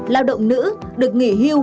lao động nữ được nghỉ hưu